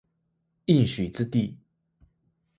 應許之地